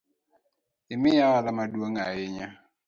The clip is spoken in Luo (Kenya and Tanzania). Imiya ohala maduong’ ahinya